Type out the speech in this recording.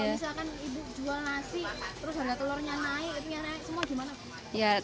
kalau misalkan ibu jual nasi